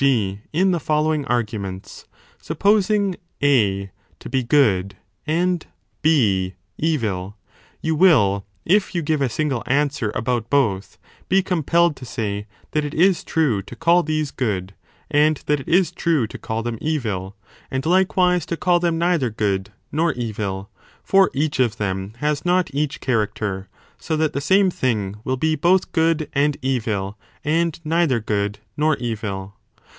g.) in the following arguments : Supposing A to 10 be good and B evil, you w r ill, if you give a single answer about both, be compelled to say that it is true to call these good, and that it is true to call them evil and likewise to call them neither good nor evil (for each of them has not each character), so that the same thing will be both good and evil and neither good nor evil.